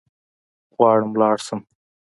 غواړم لوړ لاړ شم